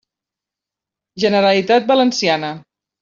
Generalitat valenciana.